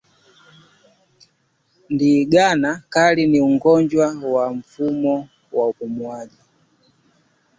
Ndigana kali ni ugonjwa wa mfumo wa upumuaji